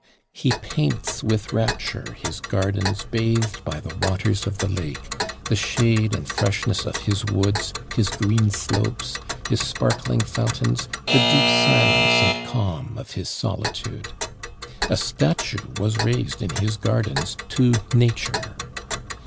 He paints with rapture his gardens bathed by the waters of the lake; the shade and freshness of his woods; his green slopes; his sparkling fountains, the deep silence and calm of his solitude! A statue was raised in his gardens to Nature!